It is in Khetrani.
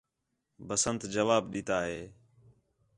بسنت جواب ݙِتّا ہِے